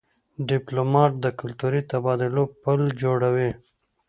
ډيپلومات د کلتوري تبادلو پل جوړوي.